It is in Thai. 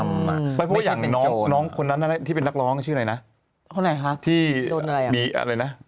ไม่ใช่เป็นโจร